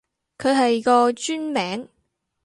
佢係個專名